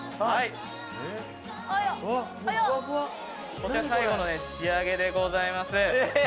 こちら最後のね仕上げでございますえええっ